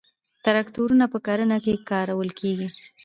تراکتورونه په کرنه کې کارول کیږي